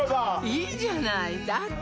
いいじゃないだって